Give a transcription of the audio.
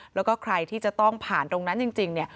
แล้วก็ใครที่จะต้องผ่านตรงนั้นจริงเนี่ย